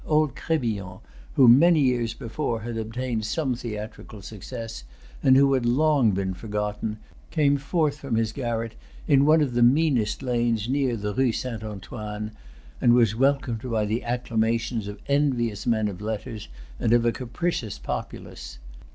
Old Crébillon, who many years before had obtained some theatrical success, and who had long been forgotten, came forth from his garret in one of the meanest lanes near the Rue St. Antoine, and was welcomed by the acclamations of envious men of letters, and of a capricious populace.